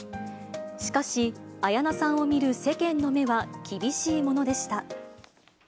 しかし、綾菜さんを見る世間の目は厳しいものでした。